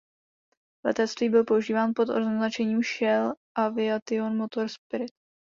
V letectví byl používán pod označením Shell Aviation Motor Spirit.